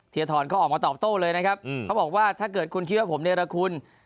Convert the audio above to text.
ทรก็ออกมาตอบโต้เลยนะครับเขาบอกว่าถ้าเกิดคุณคิดว่าผมเนรคุณ